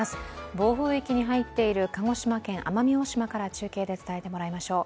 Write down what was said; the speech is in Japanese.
暴風域に入っている鹿児島県奄美大島から中継で伝えてもらいましょう。